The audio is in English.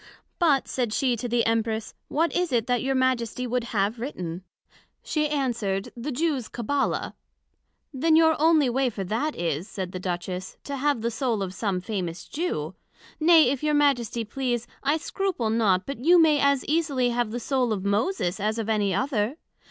But, said she to the Empress, What is it that your Majesty would have written? she answered, The Jews Cabbala. Then your onely way for that is, said the Duchess, to have the Soul of some famous Jew; nay, if your Majesty please, I scruple not, but you may as easily have the Soul of Moses, as of any other.